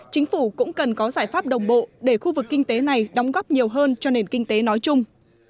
chính phủ cũng cần có giải pháp đồng bộ để khu vực kinh tế này đóng góp nhiều hơn cho nền kinh tế nói chung